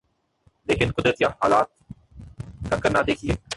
لیکن قدرت یا حالات کا کرنا دیکھیے۔